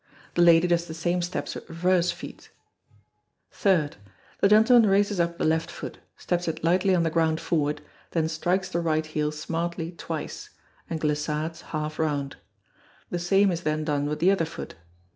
The lady does the same steps with reverse feet. Third. The gentleman raises up the left foot, steps it lightly on the ground forward, then strikes the right heel smartly twice, and glissades half round. The same is then done with the other foot.